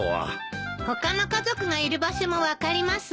他の家族がいる場所も分かりますわ。